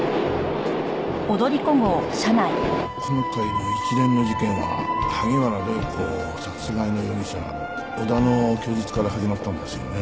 今回の一連の事件は萩原礼子殺害の容疑者小田の供述から始まったんですよね。